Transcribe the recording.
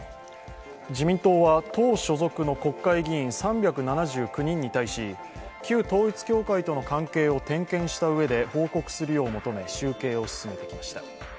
自民党は、党所属の国会議員３７９人に対し、旧統一教会との関係を点検したうえで報告するよう求め、集計を進めてきました。